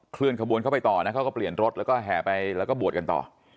เคลื่อนขบวนเข้าไปต่อนะเขาก็เปลี่ยนรถแล้วก็แห่ไปแล้วก็บวชกันต่อ